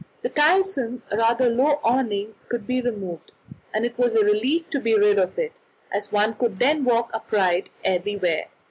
The tiresome, rather low awning could be removed, and it was a relief to be rid of it, as one could then walk upright everywhere.